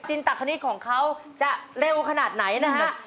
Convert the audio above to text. ตะคณิตของเขาจะเร็วขนาดไหนนะฮะ